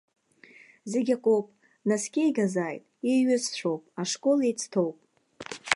Зегьакоуп, днаскьеигазааит, еиҩызцәоуп, ашкол еицҭоуп.